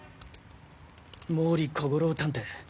毛利小五郎探偵